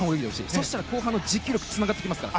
そうしたら後半の持久力につながってきますから。